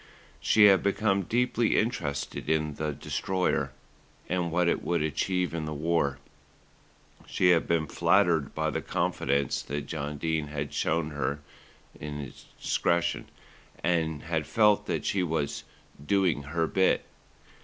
She had become deeply interested in the Destroyer and what it would achieve in the war. She had been flattered by the confidence that John Dene had shown hi her discretion, and had felt that she was "doing her bit."